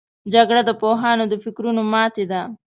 جګړه د پوهانو د فکرونو ماتې ده